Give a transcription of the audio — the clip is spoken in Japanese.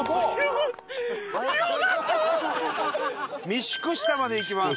御宿下まで行きます。